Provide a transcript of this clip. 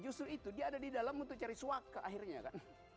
justru itu dia ada di dalam untuk cari suaka akhirnya kan